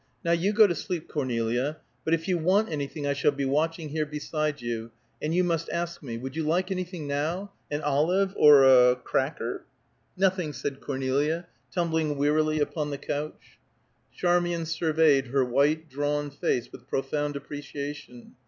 "Now you go to sleep, Cornelia; but if you want anything I shall be watching here beside you, and you must ask me. Would you like anything now? An olive, or a cracker?" "Nothing," said Cornelia, tumbling wearily upon the couch. Charmian surveyed her white, drawn face with profound appreciation.